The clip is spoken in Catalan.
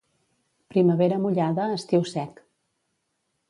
Primavera mullada, estiu sec.